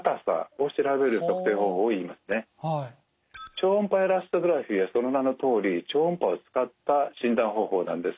超音波エラストグラフィはその名のとおり超音波を使った診断方法なんです。